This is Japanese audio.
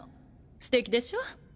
すてきでしょ。